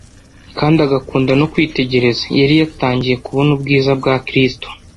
kandi agakuruda no kwitegereza. Yari yatangiye kubona ubwiza bwa Kristo,